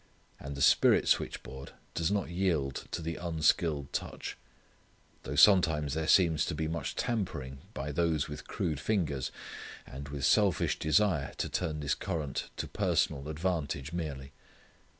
And the spirit switchboard does not yield to the unskilled touch. Though sometimes there seems to be much tampering by those with crude fingers, and with selfish desire to turn this current to personal advantage merely.